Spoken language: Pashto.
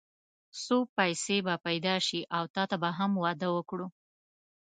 څو پيسې به پيدا شي او تاته به هم واده وکړو.